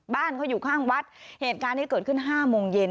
บ้านเขาอยู่ข้างวัดเหตุการณ์นี้เกิดขึ้น๕โมงเย็น